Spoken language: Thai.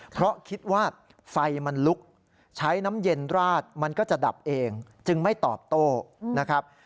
เพราะคิดว่าไฟมันลุกใช้น้ำเย็นราดมันก็จะดับเองจึงไม่ตอบโต้นะครับ